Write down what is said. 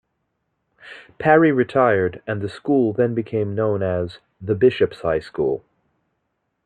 Parry retired and the school then became known as "The Bishops' High School".